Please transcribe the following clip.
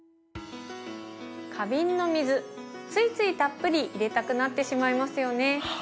花瓶の水ついついたっぷり入れたくなってしまいますよね。